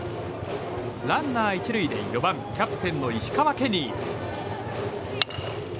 ランナー１塁で４番キャプテンの石川ケニー。